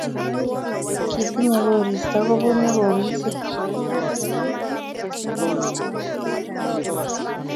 kitinye koristo kobunu kowisei.